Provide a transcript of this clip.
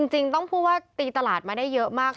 จริงต้องพูดว่าตีตลาดมาได้เยอะมาก